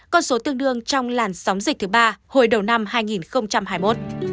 con số tương đương trong làn sóng dịch thứ ba hồi đầu năm hai nghìn hai mươi một